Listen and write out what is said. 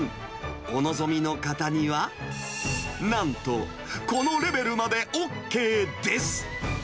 お望みの方には、なんとこのレベルまでＯＫです。